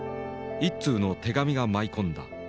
一通の手紙が舞い込んだ。